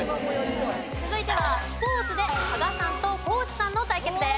続いてはスポーツで加賀さんと地さんの対決です。